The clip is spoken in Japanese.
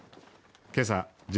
けさ